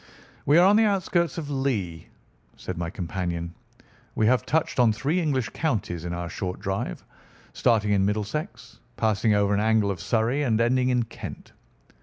"We are on the outskirts of Lee," said my companion. "We have touched on three English counties in our short drive, starting in Middlesex, passing over an angle of Surrey, and ending in Kent.